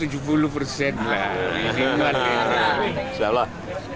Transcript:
nah insya allah